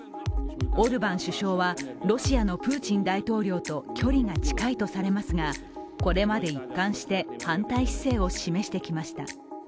オルバン首相はロシアのプーチン大統領と距離が近いとされますがこれまで一貫して反対姿勢を示してきました。